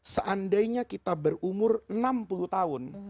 seandainya kita berumur enam puluh tahun